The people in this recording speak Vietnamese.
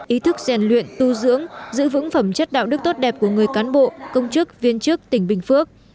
ý thức rèn luyện tu dưỡng giữ vững phẩm chất đạo đức tốt đẹp của người cán bộ công chức viên chức tỉnh bình phước